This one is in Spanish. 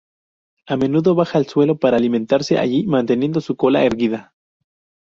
A menudo baja al suelo para alimentarse allí, manteniendo su cola erguida.